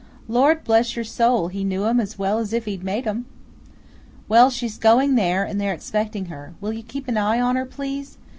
Lord bless your soul, he knew 'em as well as if he'd made 'em! "Well, she's going there, and they're expecting her. Will you keep an eye on her, please?